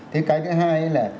thế cái thứ hai là